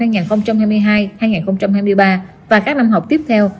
năm học hai nghìn hai mươi ba và các năm học tiếp theo